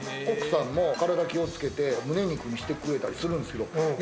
奥さんも体に気をつけて、胸肉にしてくれたりするんですよ。